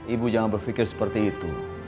ibu jangan berpikir seperti itu